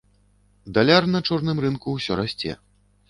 Даляр на чорным рынку ўсё расце.